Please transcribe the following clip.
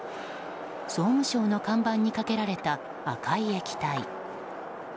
総務省の看板にかけられた赤い液体。